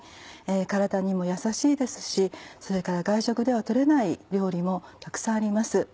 体にもやさしいですしそれから外食では取れない料理もたくさんあります。